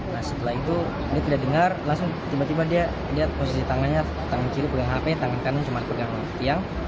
nah setelah itu dia tidak dengar langsung tiba tiba dia lihat posisi tangannya tangan kiri pegang hp tangan kanan cuma pegang tiang